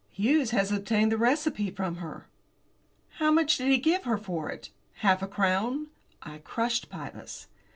Hughes has obtained the receipt from her." "How much did he give her for it? Half a crown?" I crushed Pybus.